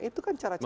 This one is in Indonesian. itu kan cara cara